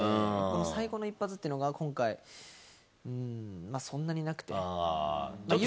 最高の一発というのが、今回、そんなになくて。